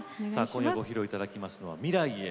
今夜ご披露いただきますのは「未来へ」。